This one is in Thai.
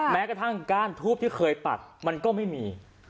แม้กระทั่งก้านทูบที่เคยปักมันก็ไม่มี